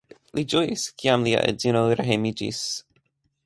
Li ĝojis, kiam lia edzino rehejmiĝis.